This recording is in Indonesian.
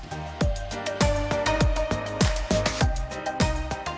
karena airnya mendidih